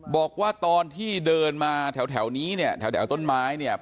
บอกว่าตอนที่เดินมาแถวนี้เนี่ยแถวต้นไม้เนี่ย